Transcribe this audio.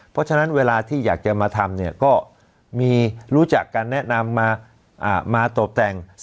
เพราะฉะนั้นเวลาที่อยากจะมาทำเนี่ยก็มีรู้จักการแนะนำมาตบแต่ง